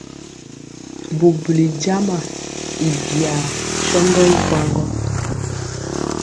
Bubuli jama i biyaa sɔndɔ i kwaŋ gɔ.